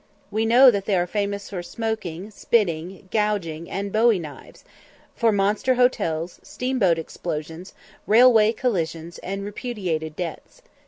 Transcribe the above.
We know that they are famous for smoking, spitting, "gouging," and bowie knives for monster hotels, steamboat explosions, railway collisions, and repudiated debts.